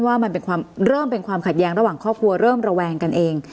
ว่ามันเริ่มเป็นความขัดแย้งระหว่างครอบครัวเริ่มระแวงกันเอง